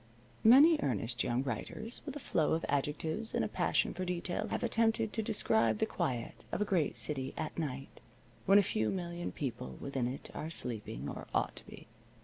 Many earnest young writers with a flow of adjectives and a passion for detail have attempted to describe the quiet of a great city at night, when a few million people within it are sleeping, or ought to be.